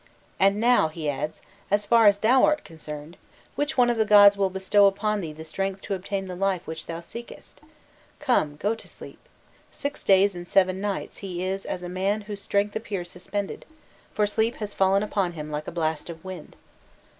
"'And now,' he adds, 'as far as thou art concerned, which one of the Gods will bestow upon thee the strength to obtain the life which thou seekest? Come, go to sleep!' Six days and seven nights he is as a man whose strength appears suspended, for sleep has fallen upon him like a blast of wind.